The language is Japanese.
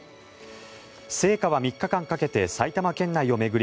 聖火は３日間かけて埼玉県内を巡り